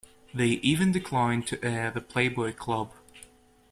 They even declined to air "The Playboy Club".